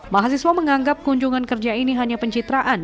mahasiswa menganggap kunjungan kerja ini hanya pencitraan